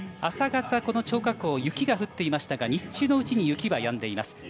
朝方、張家口は雪が降っていましたが日中のうちに雪はやんでいます。